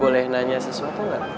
boleh nanya sesuatu ga